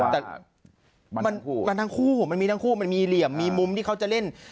แต่มันทั้งคู่มันมีทั้งคู่มันมีเหลี่ยมมีมุมที่เขาจะเล่น